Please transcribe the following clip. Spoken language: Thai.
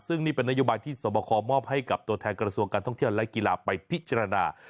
ซึ่งนี่เป็นนโยบายที่สวบคอมอบให้กับตัวแทนกระทรวงการท่องเที่ยวและกีฬาไปพิจารณา